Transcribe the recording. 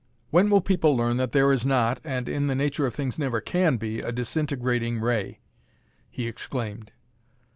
"When will people learn that there is not, and in the nature of things never can be, a disintegrating ray?" he exclaimed.